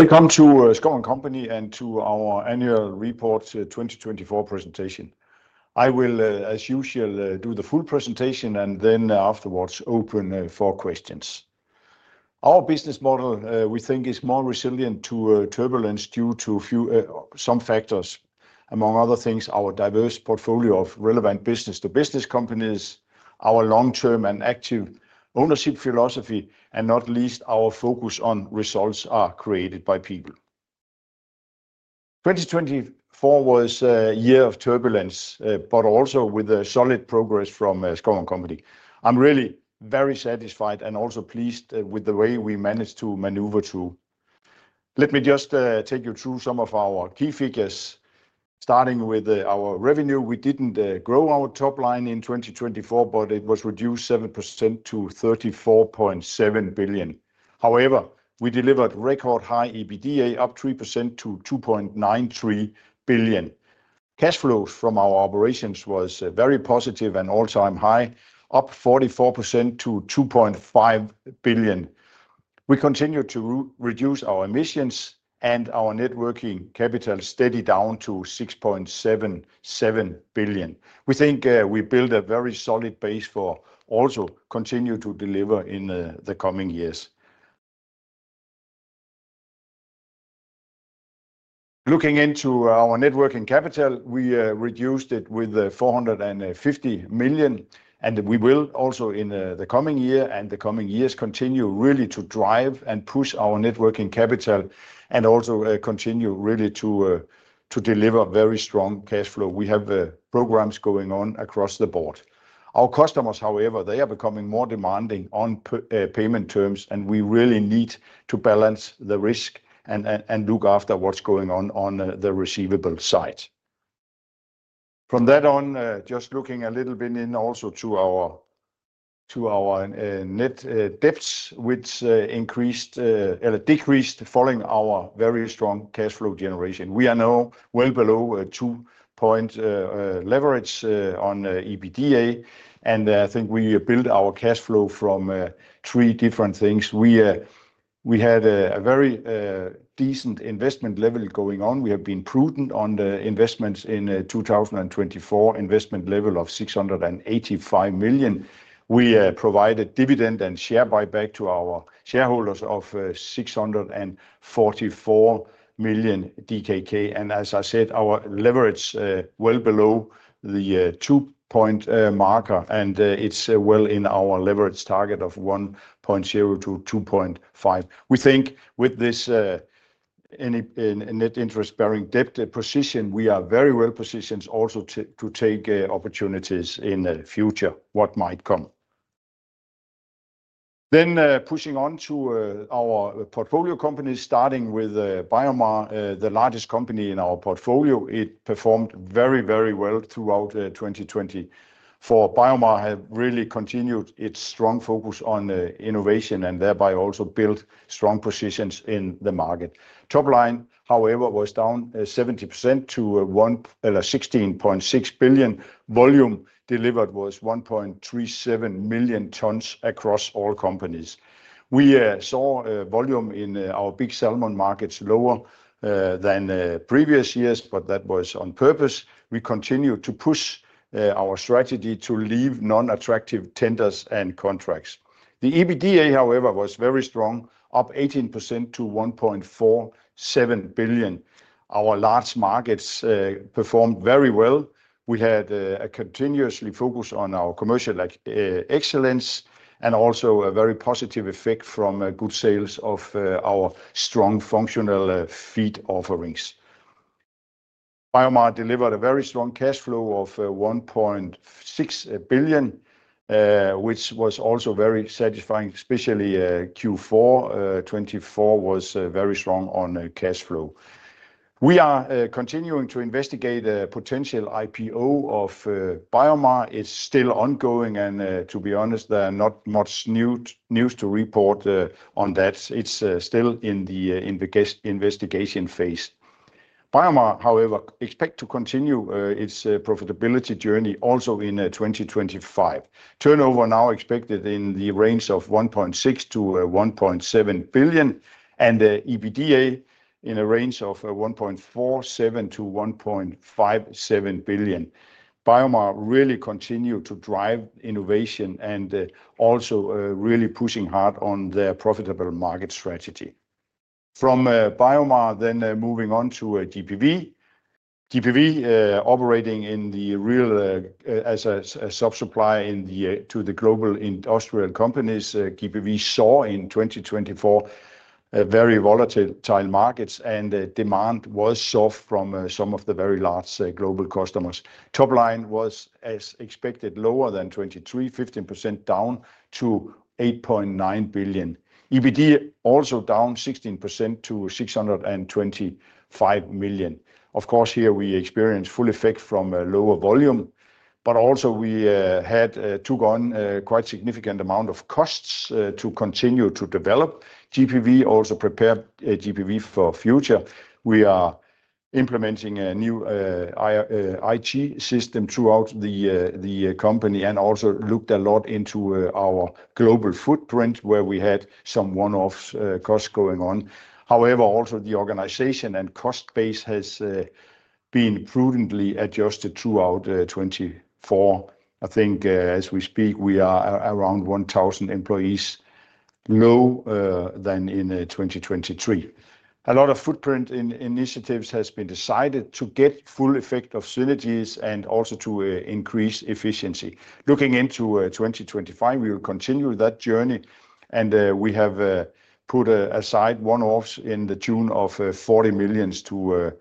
Welcome to Schouw & Company and to our annual report 2024 presentation. I will, as usual, do the full presentation and then afterwards open for questions. Our business model, we think, is more resilient to turbulence due to some factors, among other things, our diverse portfolio of relevant business-to-business companies, our long-term and active ownership philosophy, and not least, our focus on results created by people. 2024 was a year of turbulence, but also with solid progress from Schouw & Company. I'm really very satisfied and also pleased with the way we managed to maneuver through. Let me just take you through some of our key figures, starting with our revenue. We didn't grow our top line in 2024, but it was reduced 7% to 34.7 billion. However, we delivered record high EBITDA, up 3% to 2.93 billion. Cash flows from our operations were very positive and an all-time high, up 44% to 2.5 billion. We continued to reduce our emissions, and our net working capital settled down to 6.77 billion. We think we built a very solid base for also continuing to deliver in the coming years. Looking into our net working capital, we reduced it with 450 million, and we will also in the coming year and the coming years continue really to drive and push our net working capital and also continue really to deliver very strong cash flow. We have programs going on across the board. Our customers, however, they are becoming more demanding on payment terms, and we really need to balance the risk and look after what's going on on the receivable side. From that on, just looking a little bit in also to our net debts, which decreased following our very strong cash flow generation. We are now well below 2 point leverage on EBITDA, and I think we built our cash flow from three different things. We had a very decent investment level going on. We have been prudent on the investments in 2024, investment level of 685 million. We provided dividend and share buyback to our shareholders of 644 million DKK. As I said, our leverage is well below the 2 point marker, and it's well in our leverage target of 1.0-2.5. We think with this net interest-bearing debt position, we are very well positioned also to take opportunities in the future, what might come. Then pushing on to our portfolio companies, starting with BioMar, the largest company in our portfolio, it performed very, very well throughout 2024. BioMar has really continued its strong focus on innovation and thereby also built strong positions in the market. Top line, however, was down 70% to 16.6 billion. Volume delivered was 1.37 million tons across all companies. We saw volume in our big salmon markets lower than previous years, but that was on purpose. We continued to push our strategy to leave non-attractive tenders and contracts. The EBITDA, however, was very strong, up 18% to 1.47 billion. Our large markets performed very well. We had a continuous focus on our commercial excellence and also a very positive effect from good sales of our strong functional feed offerings. BioMar delivered a very strong cash flow of 1.6 billion, which was also very satisfying, especially Q4 2024 was very strong on cash flow. We are continuing to investigate a potential IPO of BioMar. It's still ongoing, and to be honest, there are not much news to report on that. It's still in the investigation phase. BioMar, however, expects to continue its profitability journey also in 2025. Turnover now expected in the range of 1.6 billion-1.7 billion, and EBITDA in a range of 1.47 billion-1.57 billion. BioMar really continued to drive innovation and also really pushing hard on their profitable market strategy. From BioMar, then moving on to GPV. GPV operating in the realm as a subsupplier to the global industrial companies. GPV saw in 2024 very volatile markets, and demand was soft from some of the very large global customers. Top line was, as expected, lower than 2023, 15% down to 8.9 billion. EBITDA also down 16% to 625 million. Of course, here we experienced full effect from lower volume, but also we had to incur quite a significant amount of costs to continue to develop. GPV also prepared GPV for the future. We are implementing a new IT system throughout the company and also looked a lot into our global footprint where we had some one-off costs going on. However, also the organization and cost base has been prudently adjusted throughout 2024. I think as we speak, we are around 1,000 employees, lower than in 2023. A lot of footprint initiatives have been decided to get full effect of synergies and also to increase efficiency. Looking into 2025, we will continue that journey, and we have put aside one-offs to the tune of 40 million to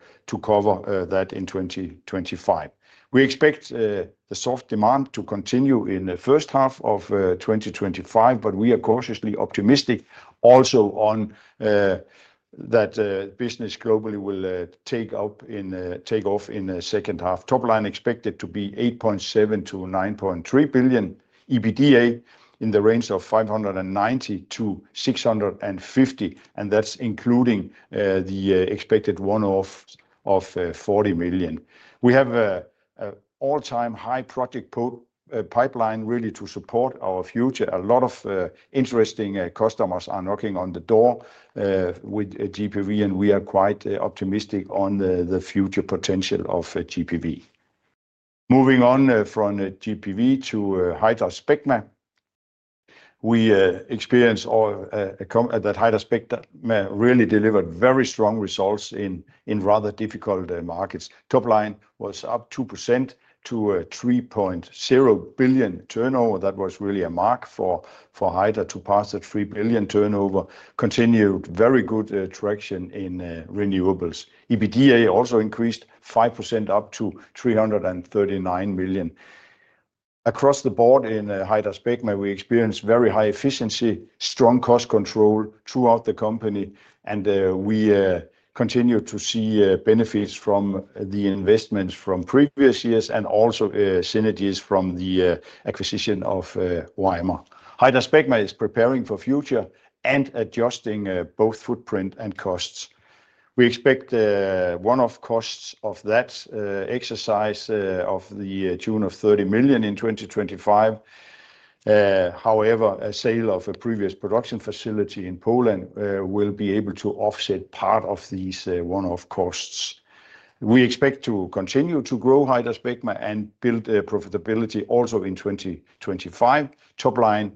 cover that in 2025. We expect the soft demand to continue in the first half of 2025, but we are cautiously optimistic also on that business globally will take off in the second half. Top line expected to be 8.7 billion-9.3 billion, EBITDA in the range of 590 million-650 million, and that's including the expected one-off of 40 million. We have an all-time high project pipeline really to support our future. A lot of interesting customers are knocking on the door with GPV, and we are quite optimistic on the future potential of GPV. Moving on from GPV to HydraSpecma, we experienced that HydraSpecma really delivered very strong results in rather difficult markets. Top line was up 2% to 3.0 billion turnover. That was really a mark for Hydra to pass the 3 billion turnover. Continued very good traction in renewables. EBITDA also increased 5% up to 339 million. Across the board in HydraSpecma, we experienced very high efficiency, strong cost control throughout the company, and we continue to see benefits from the investments from previous years and also synergies from the acquisition of Ymer. HydraSpecma is preparing for the future and adjusting both footprint and costs. We expect one-off costs of that exercise to the tune of 30 million in 2025. However, a sale of a previous production facility in Poland will be able to offset part of these one-off costs. We expect to continue to grow HydraSpecma and build profitability also in 2025. Top line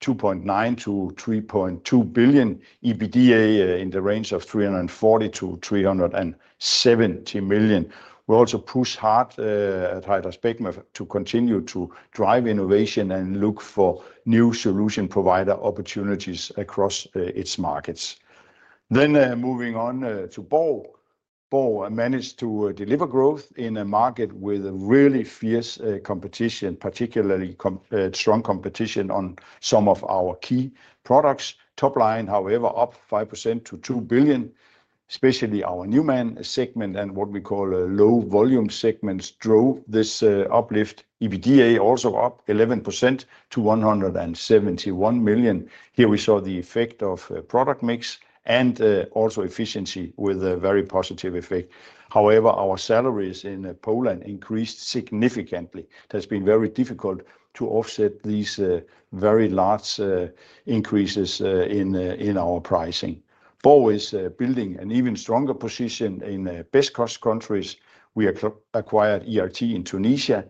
2.9-3.2 billion, EBITDA in the range of 340-370 million. We also push hard at HydraSpecma to continue to drive innovation and look for new solution provider opportunities across its markets. Then moving on to BORG Automotive, BORG managed to deliver growth in a market with really fierce competition, particularly strong competition on some of our key products. Top line, however, up 5% to 2 billion, especially our reman segment and what we call low volume segments drove this uplift. EBITDA also up 11% to 171 million. Here we saw the effect of product mix and also efficiency with a very positive effect. However, our salaries in Poland increased significantly. It has been very difficult to offset these very large increases in our pricing. BORG is building an even stronger position in best cost countries. We acquired ERT in Tunisia,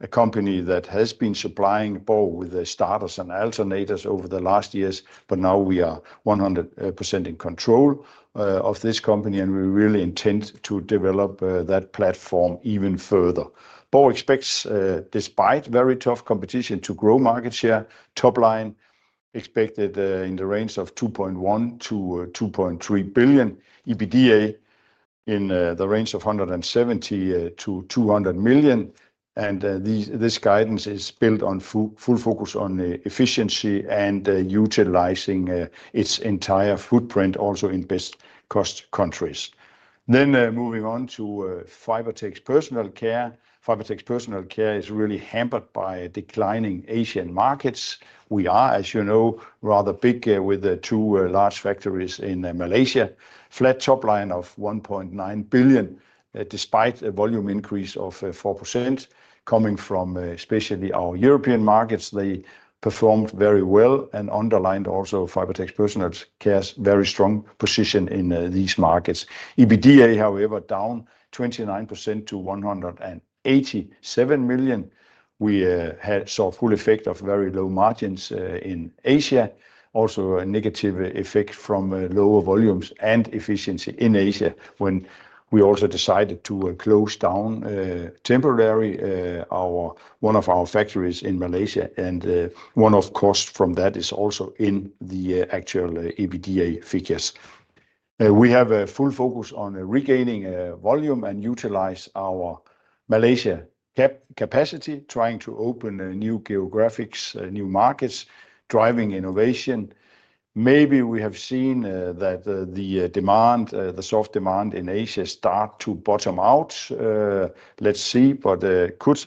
a company that has been supplying BORG with starters and alternators over the last years, but now we are 100% in control of this company, and we really intend to develop that platform even further. BORG expects, despite very tough competition, to grow market share. Top line expected in the range of 2.1-2.3 billion. EBITDA in the range of 170-200 million, and this guidance is built on full focus on efficiency and utilizing its entire footprint also in best cost countries, then moving on to Fibertex Personal Care. Fibertex Personal Care is really hampered by declining Asian markets. We are, as you know, rather big with two large factories in Malaysia. Flat top line of 1.9 billion despite a volume increase of 4% coming from especially our European markets. They performed very well and underlined also Fibertex Personal Care's very strong position in these markets. EBITDA, however, down 29% to 187 million. We saw full effect of very low margins in Asia. Also a negative effect from lower volumes and efficiency in Asia when we also decided to close down temporarily one of our factories in Malaysia. One-off cost from that is also in the actual EBITDA figures. We have a full focus on regaining volume and utilizing our Malaysia capacity, trying to open new geographies, new markets, driving innovation. Maybe we have seen that the demand, the soft demand in Asia start to bottom out. Let's see, but could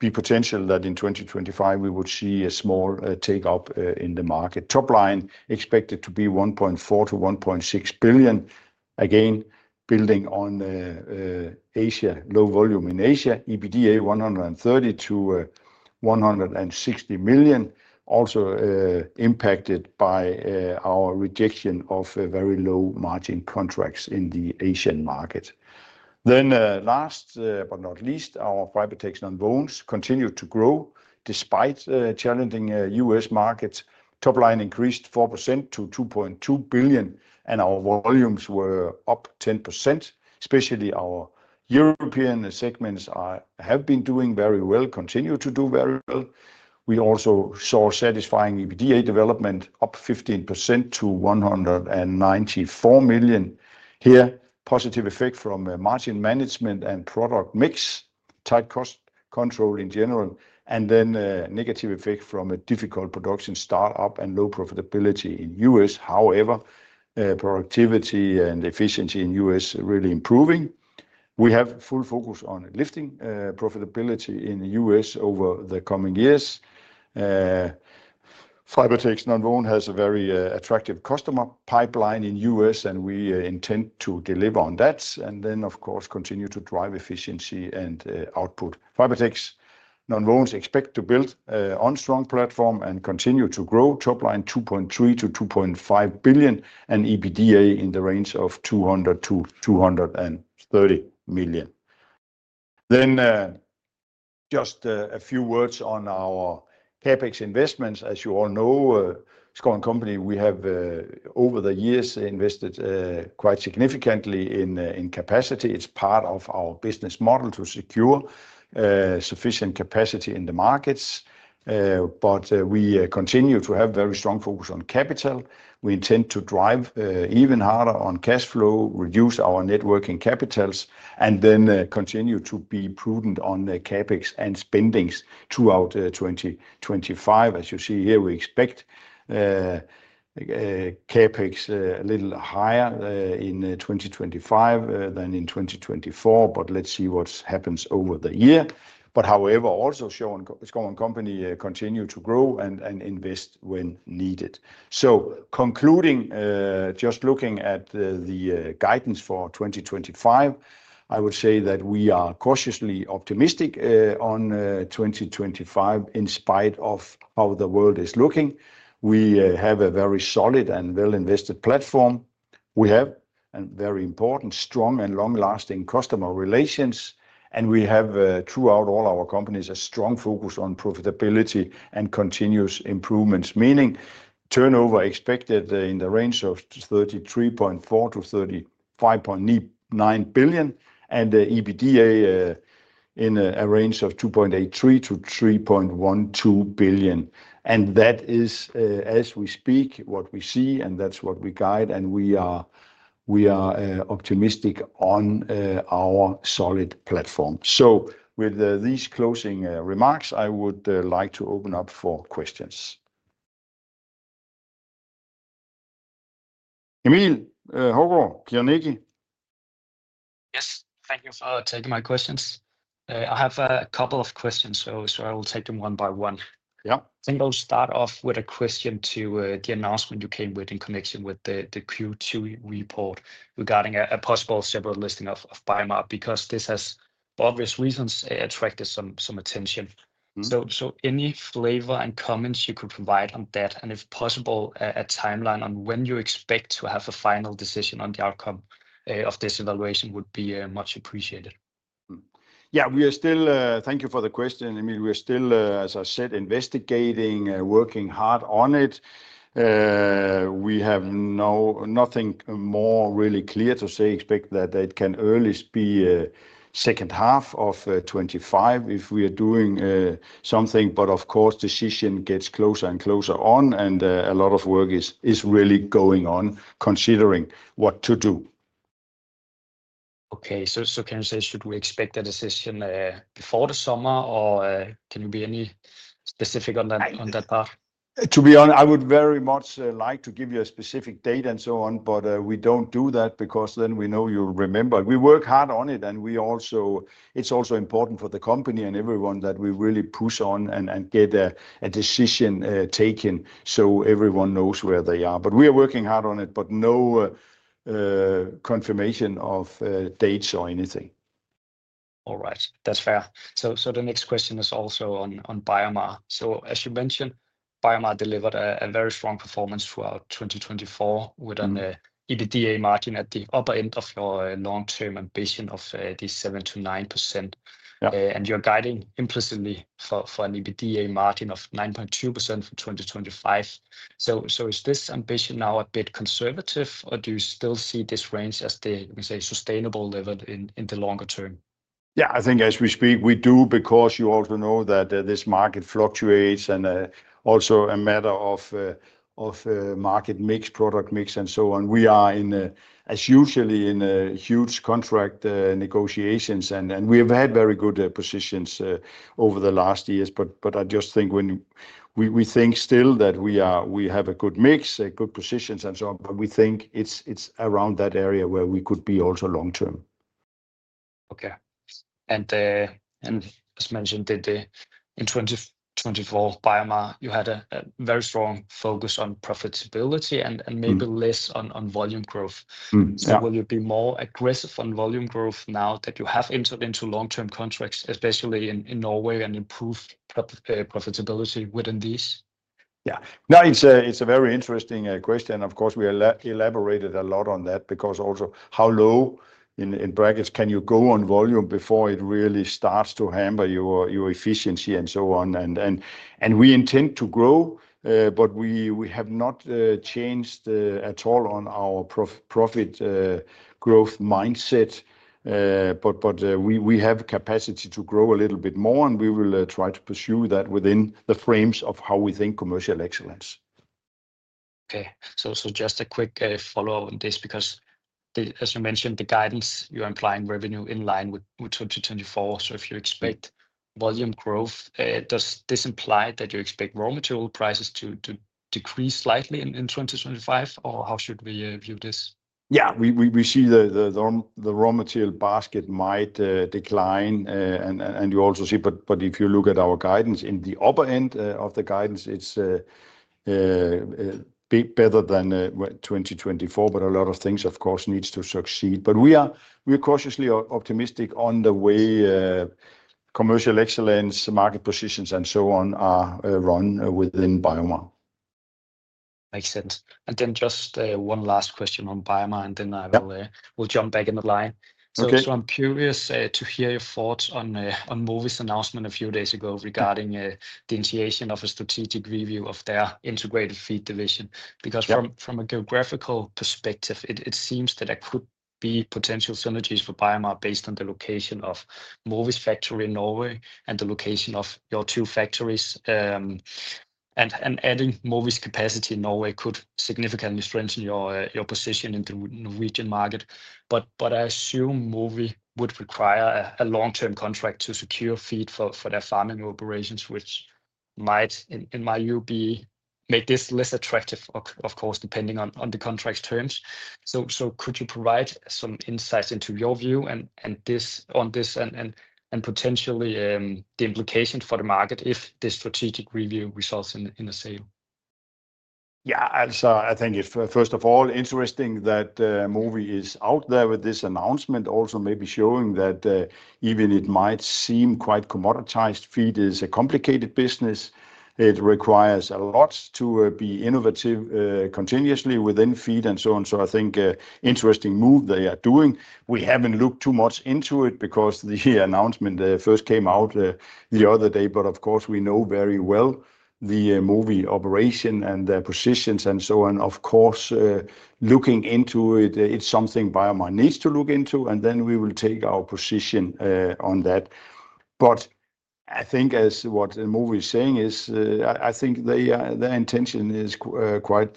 be potential that in 2025 we would see a small take-up in the market. Top line expected to be 1.4 billion-1.6 billion. Again, building on Asia, low volume in Asia. EBITDA 130 million-160 million. Also impacted by our rejection of very low margin contracts in the Asian market. Then last but not least, our Fibertex Nonwovens continued to grow despite challenging US markets. Top line increased 4% to 2.2 billion, and our volumes were up 10%, especially our European segments have been doing very well, continue to do very well. We also saw satisfying EBITDA development up 15% to 194 million here. Positive effect from margin management and product mix, tight cost control in general, and then negative effect from a difficult production start-up and low profitability in U.S. However, productivity and efficiency in U.S. really improving. We have full focus on lifting profitability in the U.S. over the coming years. Fibertex Nonwovens has a very attractive customer pipeline in U.S., and we intend to deliver on that and then, of course, continue to drive efficiency and output. Fibertex Nonwovens expect to build on a strong platform and continue to grow. Top line 2.3 billion-2.5 billion and EBITDA in the range of 200 million-230 million. Then just a few words on our CapEx investments. As you all know, Schouw & Company, we have over the years invested quite significantly in capacity. It's part of our business model to secure sufficient capacity in the markets, but we continue to have very strong focus on capital. We intend to drive even harder on cash flow, reduce our net working capital, and then continue to be prudent on CapEx and spending throughout 2025. As you see here, we expect CapEx a little higher in 2025 than in 2024, but let's see what happens over the year. But however, also Schouw & Company continues to grow and invest when needed. So concluding, just looking at the guidance for 2025, I would say that we are cautiously optimistic on 2025 in spite of how the world is looking. We have a very solid and well-invested platform. We have very important, strong, and long-lasting customer relations, and we have throughout all our companies a strong focus on profitability and continuous improvements, meaning turnover expected in the range of 33.4 billion-35.9 billion and EBITDA in a range of 2.83 billion-3.12 billion, and that is, as we speak, what we see, and that's what we guide, and we are optimistic on our solid platform, so with these closing remarks, I would like to open up for questions. Emil, from Carnegie. Yes, thank you for taking my questions. I have a couple of questions, so I will take them one by one. Yeah. I think I'll start off with a question to the announcement you came with in connection with the Q2 report regarding a possible separate listing of BioMar because this has, for obvious reasons, attracted some attention. So any flavor and comments you could provide on that, and if possible, a timeline on when you expect to have a final decision on the outcome of this evaluation would be much appreciated. Yeah, we are still. Thank you for the question, Emil. We are still, as I said, investigating, working hard on it. We have nothing more really clear to say. Expect that it can at least be the second half of 2025 if we are doing something, but of course, decision gets closer and closer on, and a lot of work is really going on considering what to do. Okay, so can you say, should we expect a decision before the summer, or can you be any specific on that part? To be honest, I would very much like to give you a specific date and so on, but we don't do that because then we know you'll remember. We work hard on it, and it's also important for the company and everyone that we really push on and get a decision taken so everyone knows where they are. But we are working hard on it, but no confirmation of dates or anything. All right, that's fair. So the next question is also on BioMar. So as you mentioned, BioMar delivered a very strong performance throughout 2024 with an EBITDA margin at the upper end of your long-term ambition of this 7%-9%. And you're guiding implicitly for an EBITDA margin of 9.2% for 2025. So is this ambition now a bit conservative, or do you still see this range as the, you can say, sustainable level in the longer term? Yeah, I think as we speak, we do, because you also know that this market fluctuates and also a matter of market mix, product mix, and so on. We are, as usually, in huge contract negotiations, and we have had very good positions over the last years. But I just think when we think still that we have a good mix, good positions, and so on, but we think it's around that area where we could be also long-term. Okay. And as mentioned, in 2024, BioMar, you had a very strong focus on profitability and maybe less on volume growth. So will you be more aggressive on volume growth now that you have entered into long-term contracts, especially in Norway, and improve profitability within these? Yeah, no, it's a very interesting question. Of course, we elaborated a lot on that because also how low in brackets can you go on volume before it really starts to hamper your efficiency and so on. And we intend to grow, but we have not changed at all on our profit growth mindset. But we have capacity to grow a little bit more, and we will try to pursue that within the frames of how we think commercial excellence. Okay, so just a quick follow-up on this because, as you mentioned, the guidance you're implying revenue in line with 2024. So if you expect volume growth, does this imply that you expect raw material prices to decrease slightly in 2025, or how should we view this? Yeah, we see the raw material basket might decline, and you also see, but if you look at our guidance, in the upper end of the guidance, it's better than 2024, but a lot of things, of course, need to succeed. But we are cautiously optimistic on the way commercial excellence, market positions, and so on are run within BioMar. Makes sense. And then just one last question on BioMar, and then we'll jump back in the line. So I'm curious to hear your thoughts on Mowi's announcement a few days ago regarding the initiation of a strategic review of their integrated feed division. Because from a geographical perspective, it seems that there could be potential synergies for BioMar based on the location of Mowi's factory in Norway and the location of your two factories. And adding Mowi's capacity in Norway could significantly strengthen your position in the Norwegian market. But I assume Mowi would require a long-term contract to secure feed for their farming operations, which might, in my view, make this less attractive, of course, depending on the contract's terms. So could you provide some insights into your view on this and potentially the implications for the market if this strategic review results in a sale? Yeah, I think first of all, interesting that Mowi is out there with this announcement, also maybe showing that even it might seem quite commoditized. Feed is a complicated business. It requires a lot to be innovative continuously within feed and so on. So I think an interesting move they are doing. We haven't looked too much into it because the announcement first came out the other day. But of course, we know very well the Mowi operation and their positions and so on. Of course, looking into it, it's something BioMar needs to look into, and then we will take our position on that. But I think as what Mowi is saying is I think their intention is quite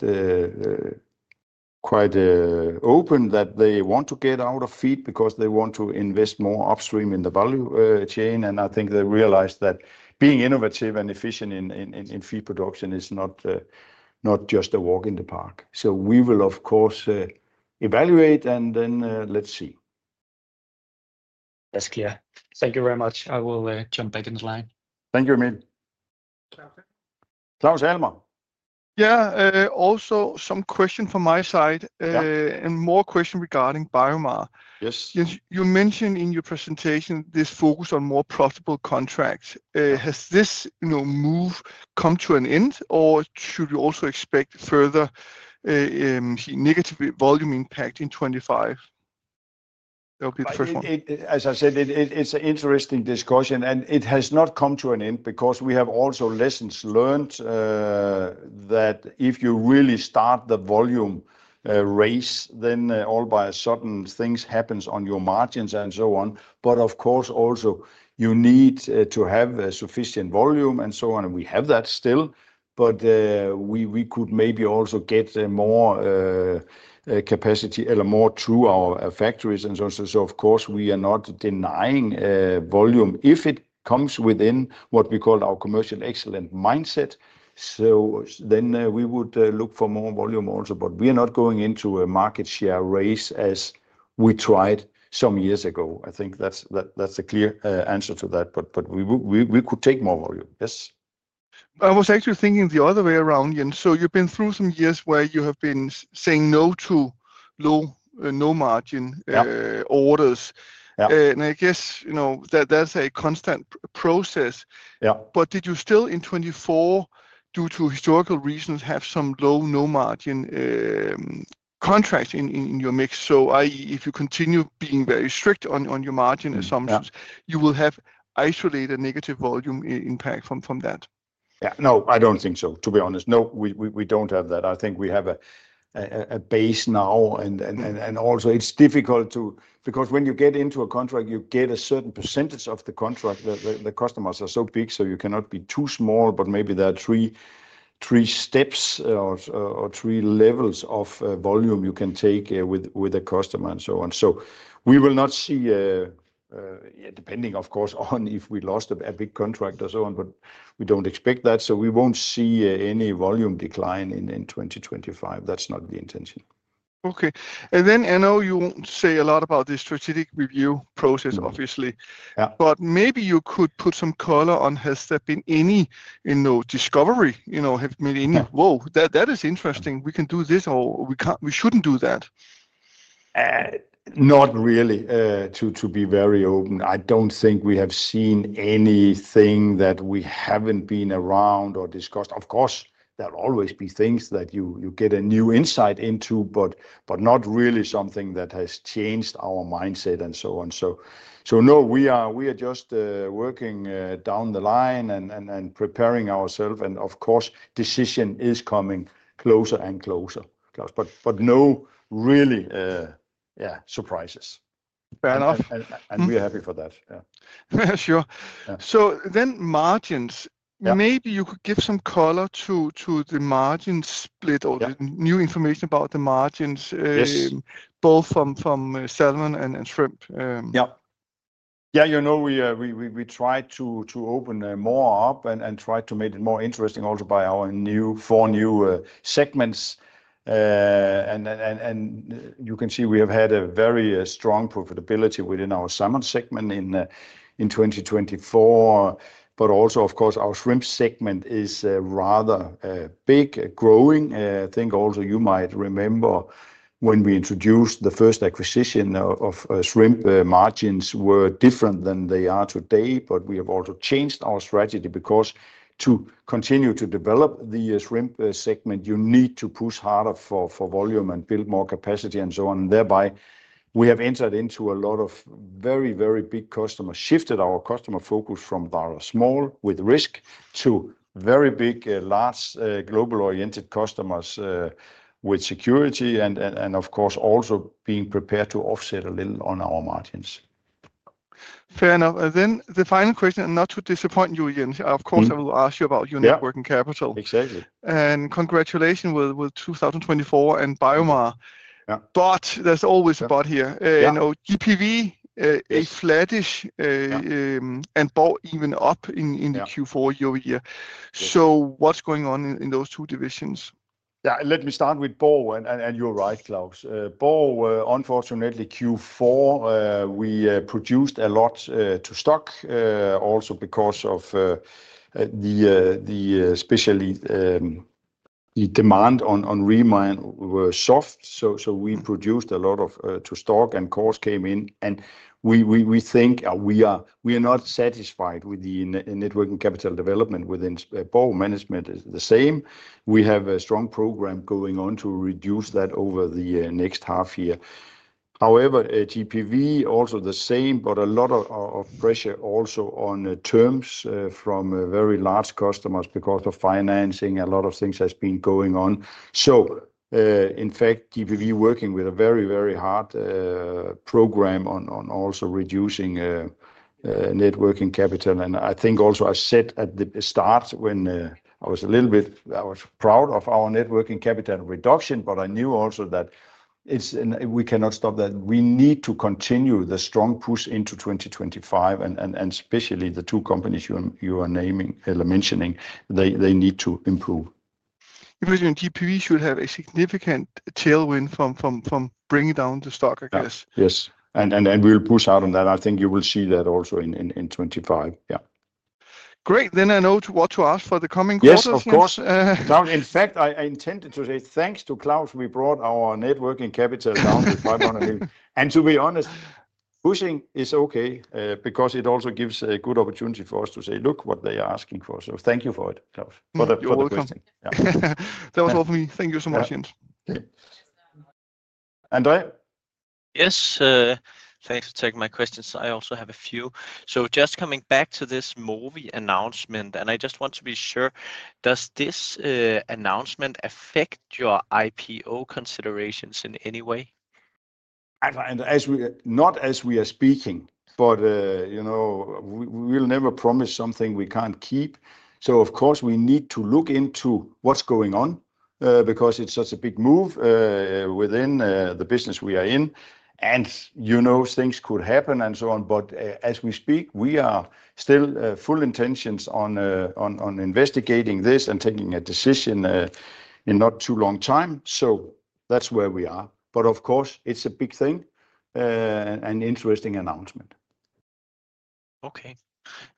open that they want to get out of feed because they want to invest more upstream in the value chain. And I think they realize that being innovative and efficient in feed production is not just a walk in the park. So we will, of course, evaluate and then let's see. That's clear. Thank you very much. I will jump back in the line. Thank you, Emil. Claus Almer. Yeah, also some question from my side and more question regarding BioMar. You mentioned in your presentation this focus on more profitable contracts. Has this move come to an end, or should we also expect further negative volume impact in 2025? That would be the first one. As I said, it's an interesting discussion, and it has not come to an end because we have also lessons learned that if you really start the volume race, then all of a sudden things happen on your margins and so on. But of course, also you need to have sufficient volume and so on, and we have that still. But we could maybe also get more capacity more through our factories and so on. So of course, we are not denying volume if it comes within what we call our commercial excellence mindset. So then we would look for more volume also, but we are not going into a market share race as we tried some years ago. I think that's a clear answer to that, but we could take more volume. Yes. I was actually thinking the other way around, Jens. So you've been through some years where you have been saying no to low margin orders. And I guess that's a constant process. But did you still, in 2024, due to historical reasons, have some low- or no-margin contracts in your mix? So i.e., if you continue being very strict on your margin assumptions, you will have isolated negative volume impact from that? Yeah, no, I don't think so, to be honest. No, we don't have that. I think we have a base now, and also it's difficult to, because when you get into a contract, you get a certain percentage of the contract. The customers are so big, so you cannot be too small, but maybe there are three steps or three levels of volume you can take with a customer and so on. So we will not see, depending, of course, on if we lost a big contract or so on, but we don't expect that. So we won't see any volume decline in 2025. That's not the intention. Okay. And then I know you say a lot about this strategic review process, obviously, but maybe you could put some color on. Has there been any discovery? Have there been any? Whoa, that is interesting. We can do this or we shouldn't do that. Not really, to be very open. I don't think we have seen anything that we haven't been around or discussed. Of course, there will always be things that you get a new insight into, but not really something that has changed our mindset and so on. So no, we are just working down the line and preparing ourselves. And of course, decision is coming closer and closer, Claus, but no really, yeah, surprises. Fair enough. And we are happy for that. Yeah. Sure. So then margins, maybe you could give some color to the margin split or the new information about the margins, both from Salmon and Shrimp. Yeah. Yeah, you know, we tried to open more up and tried to make it more interesting also by our four new segments. And you can see we have had a very strong profitability within our summer segment in 2024. But also, of course, our shrimp segment is rather big, growing. I think also you might remember when we introduced the first acquisition of shrimp margins were different than they are today, but we have also changed our strategy because to continue to develop the shrimp segment, you need to push harder for volume and build more capacity and so on. And thereby, we have entered into a lot of very, very big customers, shifted our customer focus from risk to very big, large global-oriented customers with security and, of course, also being prepared to offset a little on our margins. Fair enough. And then the final question, and not to disappoint you, Jens, of course, I will ask you about your net working capital. Exactly. And congratulations with 2024 and BioMar. But there's always a but here. GPV, a flattish, and BORG even up in the Q4 year-over-year. So what's going on in those two divisions? Yeah, let me start with BORG and you're right, Claus. BORG, unfortunately, Q4, we produced a lot to stock also because of the specialty demand on reman were soft, so we produced a lot to stock and costs came in, and we think we are not satisfied with the net working capital development within BORG. Management is the same. We have a strong program going on to reduce that over the next half year. However, GPV also the same, but a lot of pressure also on terms from very large customers because of financing. A lot of things have been going on, so in fact, GPV working with a very, very hard program on also reducing net working capital. And I think also I said at the start, when I was a little bit, I was proud of our net working capital reduction, but I knew also that we cannot stop that. We need to continue the strong push into 2025 and especially the two companies you are mentioning, they need to improve. GPV should have a significant tailwind from bringing down the stock, I guess. Yes. And we'll push hard on that. I think you will see that also in 2025. Yeah. Great. Then I know what to ask for the coming quarters. Yes, of course. In fact, I intended to say thanks to Klaus. We brought our net working capital down to 500 million. And to be honest, pushing is okay because it also gives a good opportunity for us to say, "Look what they are asking for." So thank you for it, Klaus, for the question. That was all for me. Thank you so much, Jens. André? Yes. Thanks for taking my questions. I also have a few. So just coming back to this Mowi announcement, and I just want to be sure, does this announcement affect your IPO considerations in any way? Not as we are speaking, but we will never promise something we can't keep. So of course, we need to look into what's going on because it's such a big move within the business we are in. And things could happen and so on. But as we speak, we are still full intentions on investigating this and taking a decision in not too long time. So that's where we are. But of course, it's a big thing and interesting announcement. Okay.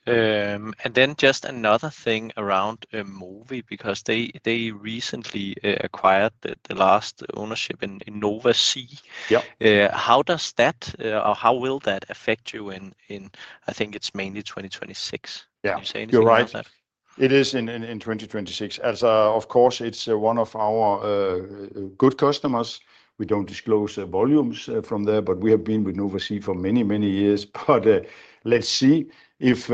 And then just another thing around Mowi because they recently acquired the last ownership in Nova Sea. How does that, or how will that affect you in, I think it's mainly 2026? Yeah, you're right. It is in 2026. Of course, it's one of our good customers. We don't disclose volumes from there, but we have been with Nova Sea for many, many years. Let's see if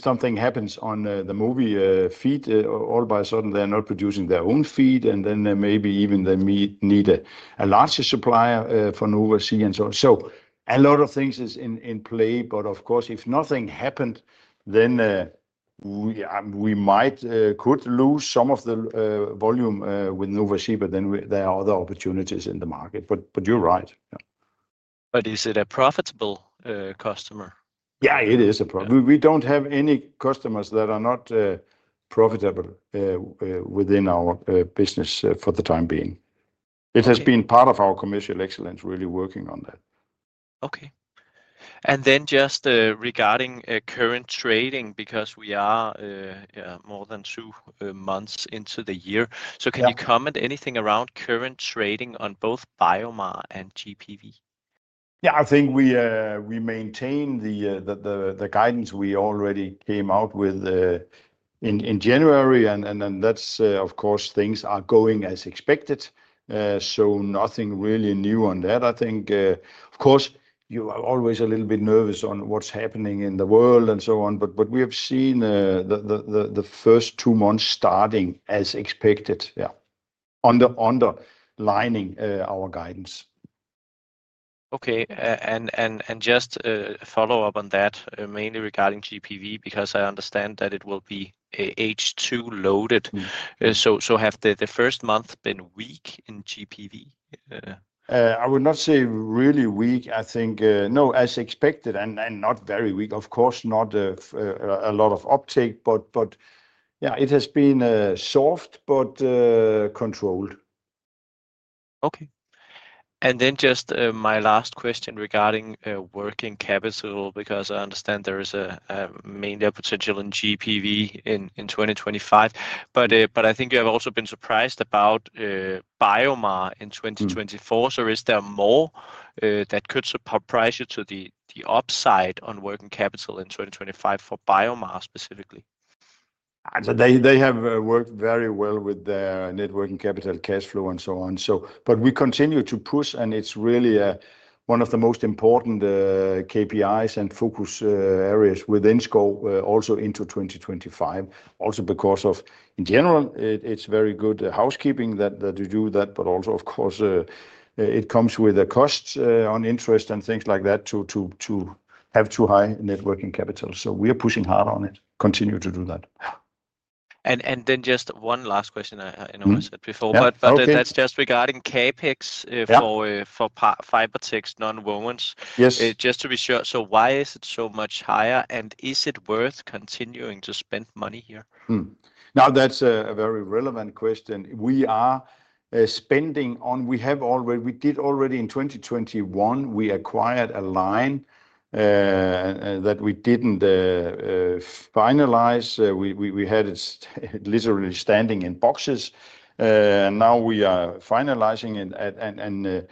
something happens on the Mowi feed. All of a sudden, they're not producing their own feed, and then maybe even they need a larger supplier for Nova Sea and so on. So a lot of things are in play, but of course, if nothing happened, then we might could lose some of the volume with Nova Sea, but then there are other opportunities in the market. You're right. Is it a profitable customer? Yeah, it is a profitable. We don't have any customers that are not profitable within our business for the time being. It has been part of our commercial excellence, really working on that. Okay. And then just regarding current trading, because we are more than two months into the year, so can you comment anything around current trading on both BioMar and GPV? Yeah, I think we maintain the guidance we already came out with in January, and that's, of course, things are going as expected. So nothing really new on that, I think. Of course, you are always a little bit nervous on what's happening in the world and so on, but we have seen the first two months starting as expected, yeah, underlining our guidance. Okay. And just a follow-up on that, mainly regarding GPV, because I understand that it will be H2 loaded. So have the first month been weak in GPV? I would not say really weak. I think, no, as expected and not very weak. Of course, not a lot of uptake, but yeah, it has been soft, but controlled. Okay. Then just my last question regarding working capital, because I understand there is mainly a potential in GPV in 2025, but I think you have also been surprised about BioMar in 2024. So is there more that could surprise you to the upside on working capital in 2025 for BioMar specifically? They have worked very well with their net working capital cash flow and so on. But we continue to push, and it's really one of the most important KPIs and focus areas within scope also into 2025. Also because of, in general, it's very good housekeeping that you do that, but also, of course, it comes with a cost on interest and things like that to have too high net working capital. So we are pushing hard on it, continue to do that. And then just one last question I said before, but that's just regarding CapEx for Fibertex Nonwovens. Just to be sure, so why is it so much higher, and is it worth continuing to spend money here? Now, that's a very relevant question. We are spending on, we did already in 2021, we acquired a line that we didn't finalize. We had it literally standing in boxes. Now we are finalizing it and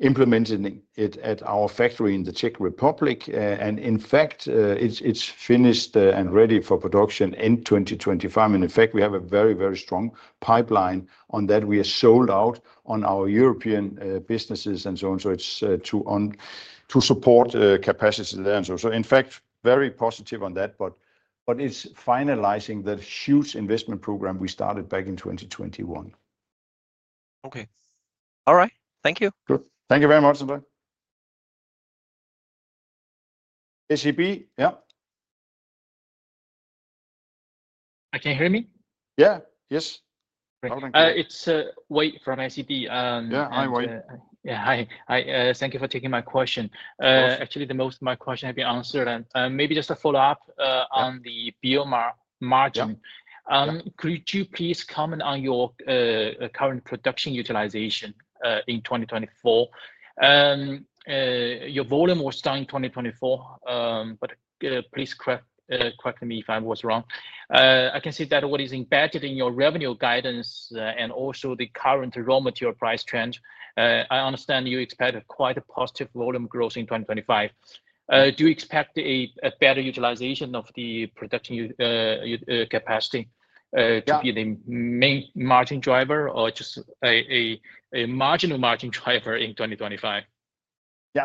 implementing it at our factory in the Czech Republic. And in fact, it's finished and ready for production in 2025. And in fact, we have a very, very strong pipeline on that. We are sold out on our European businesses and so on. So it's to support capacity there. And so in fact, very positive on that, but it's finalizing that huge investment program we started back in 2021. Okay. All right. Thank you. Thank you very much, André. It's Yiwei from SEB. Hi. Thank you for taking my question. Actually, most of my questions have been answered. And maybe just a follow-up on the BioMar margin. Could you please comment on your current production utilization in 2024? Your volume was down in 2024, but please correct me if I was wrong. I can see that what is embedded in your revenue guidance and also the current raw material price trend. I understand you expect quite a positive volume growth in 2025. Do you expect a better utilization of the production capacity to be the main margin driver or just a marginal margin driver in 2025?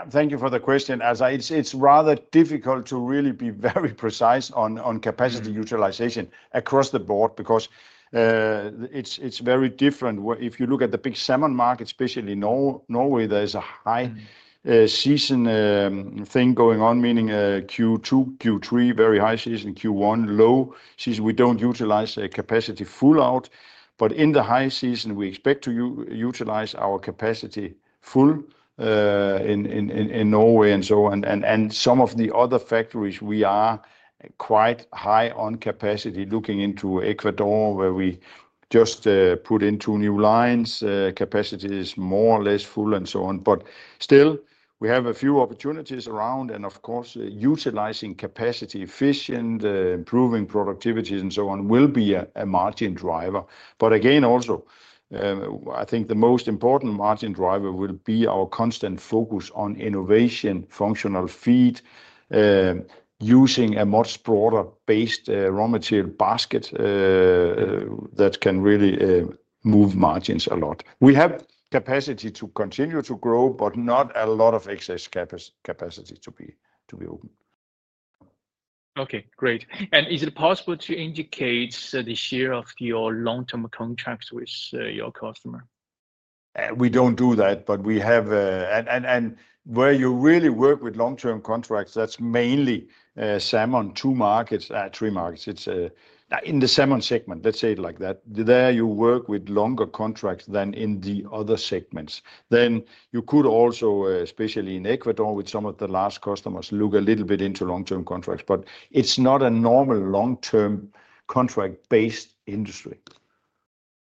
Thank you for the question. It's rather difficult to really be very precise on capacity utilization across the board because it's very different. If you look at the big summer market, especially Norway, there's a high season thing going on, meaning Q2, Q3, very high season, Q1, low season, we don't utilize capacity full out, but in the high season, we expect to utilize our capacity full in Norway and so on, and some of the other factories, we are quite high on capacity looking into Ecuador, where we just put into new lines, capacity is more or less full and so on, but still, we have a few opportunities around, and of course, utilizing capacity efficient, improving productivity and so on will be a margin driver, but again, also I think the most important margin driver will be our constant focus on innovation, functional feed, using a much broader-based raw material basket that can really move margins a lot. We have capacity to continue to grow, but not a lot of excess capacity to be open. Okay. Great. And is it possible to indicate the share of your long-term contracts with your customer? We don't do that, but we have. And where you really work with long-term contracts, that's mainly salmon in two markets, three markets. In the salmon segment, let's say it like that, there you work with longer contracts than in the other segments. Then you could also, especially in Ecuador with some of the large customers, look a little bit into long-term contracts, but it's not a normal long-term contract-based industry.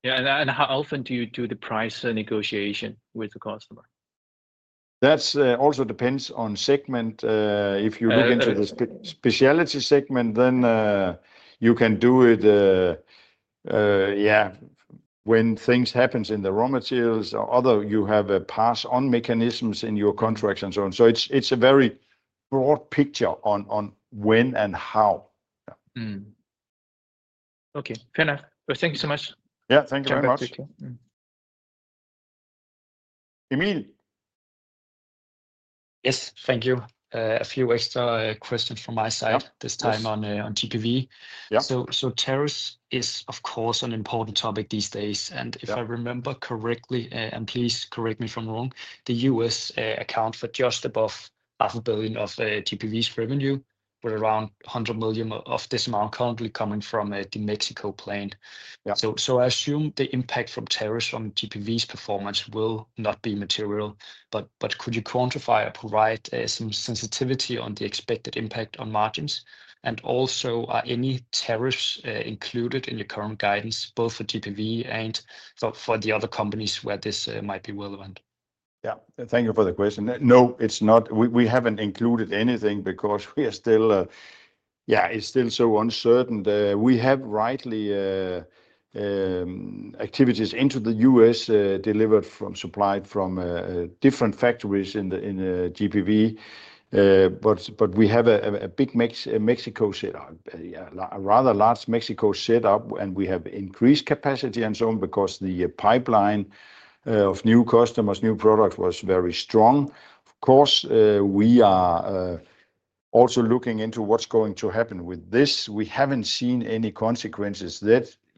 Yeah. And how often do you do the price negotiation with the customer? That also depends on segment. If you look into the specialty segment, then you can do it, yeah, when things happen in the raw materials or other you have pass-on mechanisms in your contracts and so on. So it's a very broad picture on when and how. Okay. Fair enough. Thank you so much. Yeah. Thank you very much. Take care. Emil. Yes. Thank you. A few extra questions from my side this time on GPV. So tariffs is, of course, an important topic these days. And if I remember correctly, and please correct me if I'm wrong, the U.S. accounts for just above 500 million of GPV's revenue, with around 100 million of this amount currently coming from the Mexico plant. So I assume the impact from tariffs on GPV's performance will not be material. But could you quantify or provide some sensitivity on the expected impact on margins? And also, are any tariffs included in your current guidance, both for GPV and for the other companies where this might be relevant? Yeah. Thank you for the question. No, it's not. We haven't included anything because we are still, yeah, it's still so uncertain. We have various activities into the U.S. delivered from, supplied from different factories in GPV. But we have a big Mexico setup, a rather large Mexico setup, and we have increased capacity and so on because the pipeline of new customers, new products was very strong. Of course, we are also looking into what's going to happen with this. We haven't seen any consequences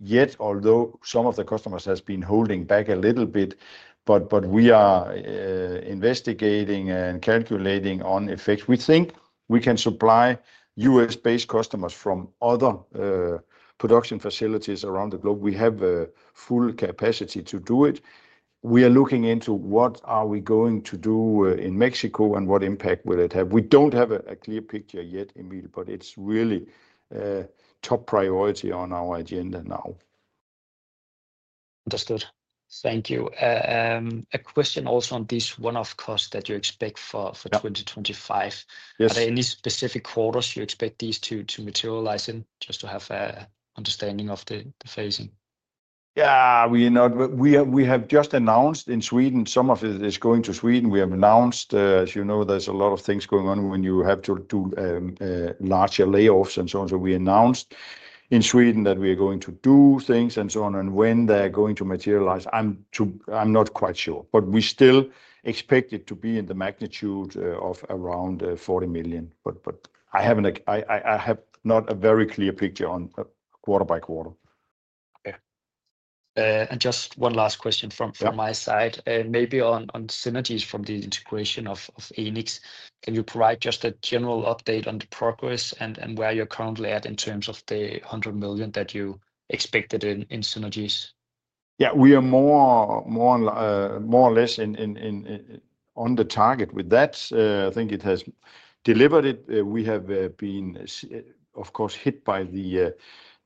yet, although some of the customers have been holding back a little bit. But we are investigating and calculating on effects. We think we can supply U.S.-based customers from other production facilities around the globe. We have full capacity to do it. We are looking into what are we going to do in Mexico and what impact will it have. We don't have a clear picture yet, Emil, but it's really top priority on our agenda now. Understood. Thank you. A question also on this one-off cost that you expect for 2025. Are there any specific quarters you expect these to materialize in? Just to have an understanding of the phasing. Yeah. We have just announced in Sweden, some of it is going to Sweden. We have announced, as you know, there's a lot of things going on when you have to do larger layoffs and so on. So we announced in Sweden that we are going to do things and so on. And when they're going to materialize, I'm not quite sure. But we still expect it to be in the magnitude of around 40 million. But I have not a very clear picture on quarter by quarter. Yeah. And just one last question from my side. Maybe on synergies from the integration of Enics, can you provide just a general update on the progress and where you're currently at in terms of the 100 million that you expected in synergies? Yeah. We are more or less on the target with that. I think it has delivered it. We have been, of course, hit by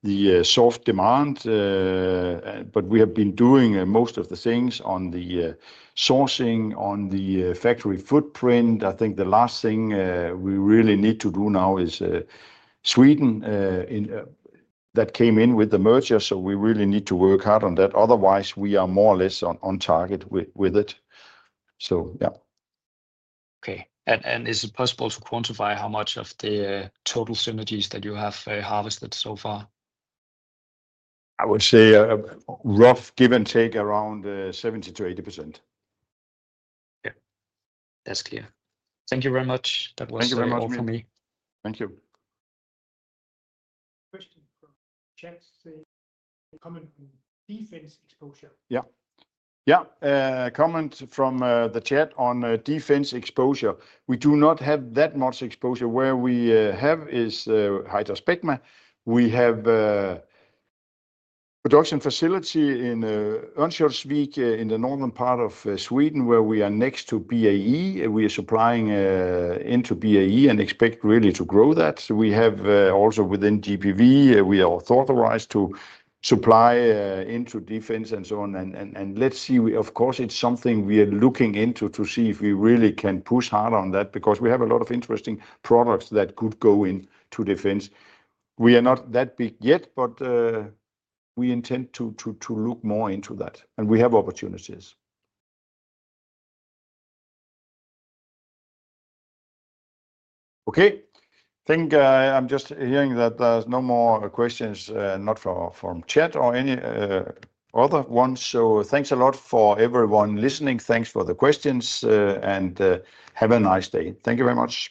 the soft demand. But we have been doing most of the things on the sourcing, on the factory footprint. I think the last thing we really need to do now is Sweden that came in with the merger. So we really need to work hard on that. Otherwise, we are more or less on target with it. Yeah. Okay. And is it possible to quantify how much of the total synergies that you have harvested so far? I would say rough give and take around 70%-80%. Yeah. That's clear. Thank you very much. That was all for me. Thank you. Question from chat. Comment on defense exposure. Yeah. Yeah. Comment from the chat on defense exposure. We do not have that much exposure. Where we have is HydraSpecma. We have a production facility in Örnsköldsvik in the northern part of Sweden where we are next to BAE. We are supplying into BAE and expect really to grow that. We have also within GPV. We are authorized to supply into defense and so on. And let's see. Of course, it's something we are looking into to see if we really can push hard on that because we have a lot of interesting products that could go into defense. We are not that big yet, but we intend to look more into that. And we have opportunities. Okay. I think I'm just hearing that there's no more questions, not from chat or any other ones. So thanks a lot for everyone listening. Thanks for the questions. And have a nice day. Thank you very much.